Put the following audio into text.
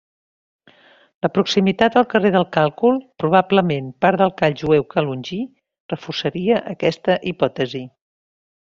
La proximitat al carrer del Càlcul -probablement part del Call jueu calongí- reforçaria aquesta hipòtesi.